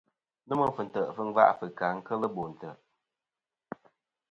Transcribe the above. Nômɨ fɨ̀ntè'tɨ fɨ ngva fɨ̀ kà kel bo ntè'.